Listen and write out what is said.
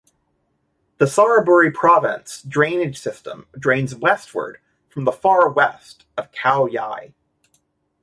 The Saraburi Province drainage system drains westward from the far west of Khao Yai.